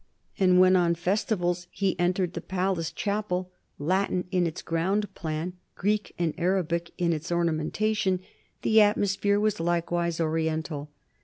And when, on festivals, he entered the palace chapel, Latin in its ground plan, Greek and Arabic in its ornamentation, the atmosphere was likewise Orien tal.